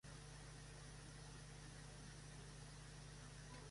Pleasanton es veces apodada como "P-town".